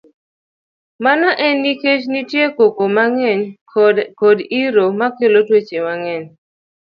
Mano en nikech nitie koko mang'eny kod iro makelo tuoche mang'eny.